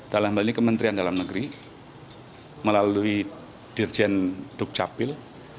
dalam hal ini kementerian dalam negeri melalui dirjen dukcapil